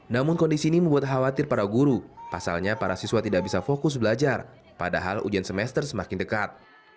namun kondisi ini membuat khawatir para guru pasalnya para siswa tidak bisa fokus belajar padahal ujian semester semakin dekat